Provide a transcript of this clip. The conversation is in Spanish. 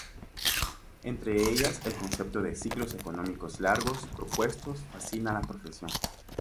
Entre ellas el concepto de ciclos económicos largos propuestos fascina a la profesión.